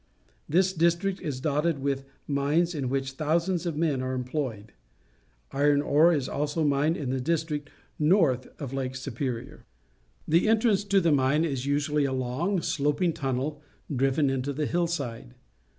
This district is dotted with mines in which thousands of men are employed. Iron ore is also mined in the district north of Lake Superior. The entrance to the mine is usually a long, sloping tunnel driven into the hill side.